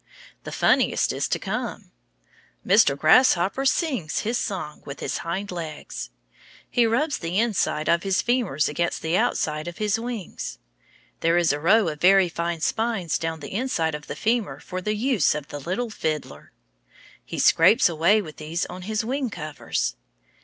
The funniest is to come. Mr. Grasshopper sings his song with his hind legs! He rubs the inside of his femurs against the outside of his wings. There is a row of very fine spines down the inside of the femur for the use of the little fiddler. He scrapes away with these on his wing covers.